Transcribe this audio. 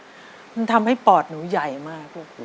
มันทำให้ปอดหนูใหญ่มากลูก